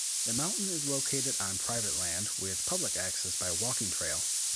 The mountain is located on private land with public access by walking trail.